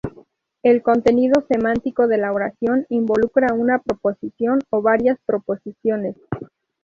El contenido semántico de la oración involucra una proposición o varias proposiciones.